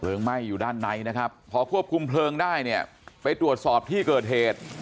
ไหม้อยู่ด้านในนะครับพอควบคุมเพลิงได้เนี่ยไปตรวจสอบที่เกิดเหตุ